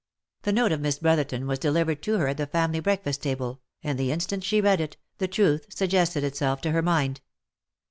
The note of Miss Brotherton was delivered to her at the family breakfast table, and the instant she read it, the truth suggested itself to her mind.